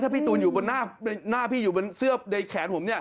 พี่ตูนอยู่บนหน้าพี่อยู่บนเสื้อในแขนผม